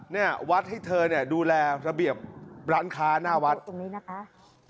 เนี่ยวัดให้เธอเนี่ยดูแลระเบียบร้านค้าหน้าวัดตรงนี้นะคะ